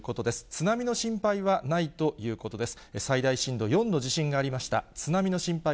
津波の心配はないということです。